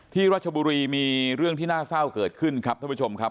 รัชบุรีมีเรื่องที่น่าเศร้าเกิดขึ้นครับท่านผู้ชมครับ